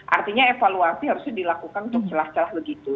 artinya evaluasi harus dilakukan untuk jelas jelas begitu